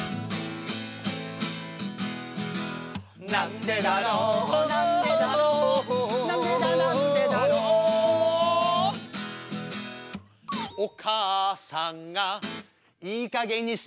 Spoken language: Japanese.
なんでだろうなんでだろうなんでだなんでだろうお母さんがいいかげんにしなさいよ！